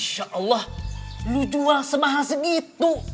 insya allah lo jual semahal segitu